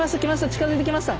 近づいてきました。